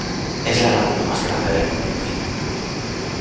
Es la laguna más grande de la provincia.